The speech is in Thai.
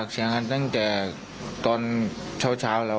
คุณต้องการรู้สิทธิ์ของเขา